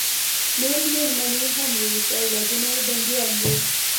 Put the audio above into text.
نورې مېرمنې هم وې چې اولادونه یې بندیان وو